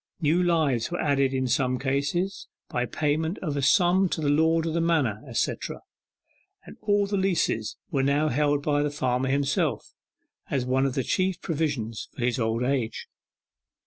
New lives were added in some cases, by payment of a sum to the lord of the manor, etc., and all the leases were now held by the farmer himself, as one of the chief provisions for his old age.